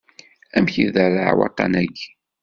Amek iderreε waṭṭan-ayi?